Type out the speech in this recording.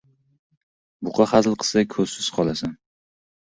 • Buqa hazil qilsa ko‘zsiz qolasan.